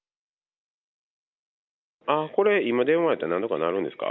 ああ、これ、今電話やったら、なんとかなるんですか？